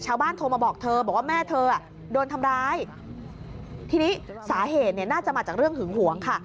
โทรมาบอกเธอบอกว่าแม่เธอโดนทำร้ายทีนี้สาเหตุเนี่ยน่าจะมาจากเรื่องหึงหวงค่ะ